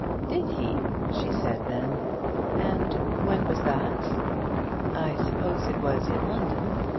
"Did he?" she then said. "And when was that?" "I suppose it was in London.